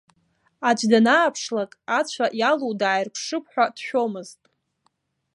Аӡә данааԥшлак, ацәа иалоу дааирԥшып ҳәа дшәомызт.